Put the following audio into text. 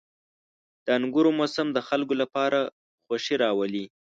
• د انګورو موسم د خلکو لپاره خوښي راولي.